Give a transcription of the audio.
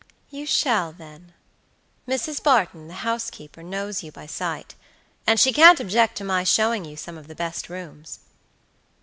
"You shall, then. Mrs. Barton, the housekeeper, knows you by sight, and she can't object to my showing you some of the best rooms."